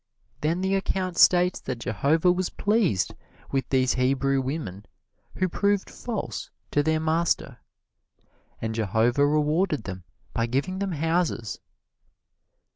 Then the account states that Jehovah was pleased with these Hebrew women who proved false to their master, and Jehovah rewarded them by giving them houses.